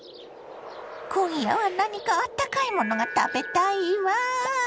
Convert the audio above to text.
今夜は何かあったかいものが食べたいわ。